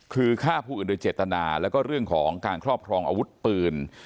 คือฆ่าผู้อื่นโดยเจตนาแล้วก็เรื่องของการครอบครองอาวุธปืน